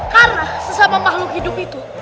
karena sesama mahluk hidup itu